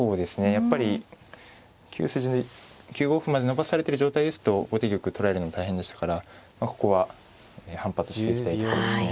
やっぱり９筋に９五歩まで伸ばされてる状態ですと後手玉捕らえるの大変でしたからここは反発していきたいとこですね。